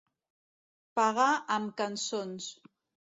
Pagar amb cançons.